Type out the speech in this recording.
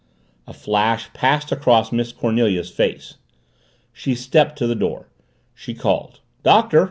A flash passed across Miss Cornelia's face. She stepped to the door. She called. "Doctor!